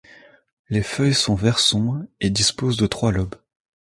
Les feuilles sont vert sombre et disposent de trois lobes.